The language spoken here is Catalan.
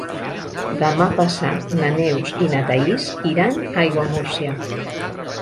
Demà passat na Neus i na Thaís iran a Aiguamúrcia.